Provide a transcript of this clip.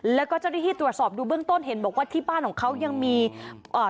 แล้วก็เจ้าหน้าที่ตรวจสอบดูเบื้องต้นเห็นบอกว่าที่บ้านของเขายังมีอ่า